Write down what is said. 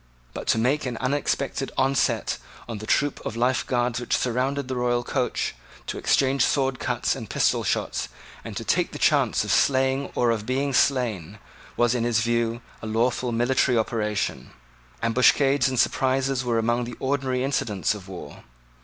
But to make an unexpected onset on the troop of Life Guards which surrounded the royal coach, to exchange sword cuts and pistol shots, and to take the chance of slaying or of being slain, was, in his view, a lawful military operation. Ambuscades and surprises were among the ordinary incidents of war.